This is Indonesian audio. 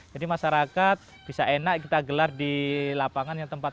jadi masyarakat bisa enak kita gelar di lapangan yang tempatnya